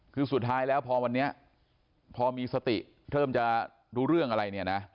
คือสุดท้ายแล้วพอวันนี้พอมีสติเริ่มจะรู้เรื่องอะไรเนี่ยนะ